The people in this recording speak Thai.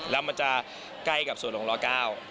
แล้วมันจะใกล้กับสวนหลวงรเก้า